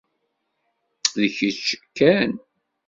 D kečč kan.